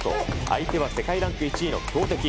相手は世界ランク１位の強敵。